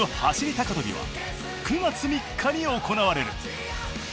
高跳びは９月３日に行われる。